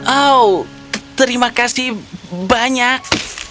oh terima kasih banyak